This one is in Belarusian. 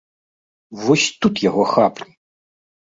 Вось тут яго хапні!